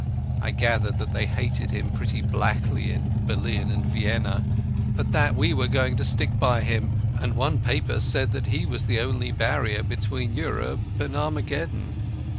I gathered that they hated him pretty blackly in Berlin and Vienna, but that we were going to stick by him, and one paper said that he was the only barrier between Europe and Armageddon.